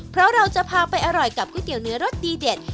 เพราะเราจะพาไปอร่อยกับก๋วยเตี๋ยวเนื้อรสดีเด็ด